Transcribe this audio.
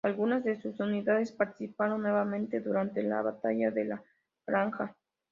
Algunas de sus unidades participaron nuevamente durante la Batalla de La Granja.